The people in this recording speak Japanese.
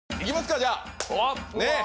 じゃあねっ。